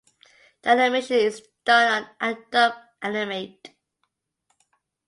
The animation is done on "Adobe Animate".